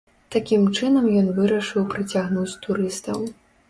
Такім чынам ён вырашыў прыцягнуць турыстаў.